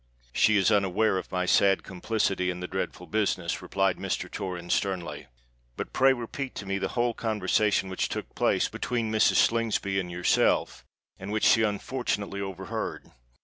"She is unaware of my sad complicity in the dreadful business," replied Mr. Torrens sternly. "But pray repeat to me the whole conversation which took place between Mrs. Slingsby and yourself, and which she unfortunately overheard.